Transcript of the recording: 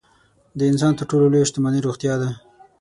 د انسان تر ټولو لویه شتمني روغتیا ده.